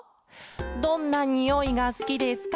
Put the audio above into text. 「どんなにおいがすきですか？」